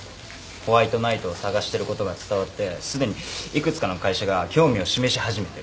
ホワイトナイトを探してることが伝わってすでにいくつかの会社が興味を示し始めてる。